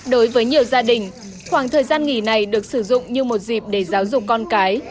đối với nhiều gia đình khoảng thời gian nghỉ này được sử dụng như một dịp để giáo dục con cái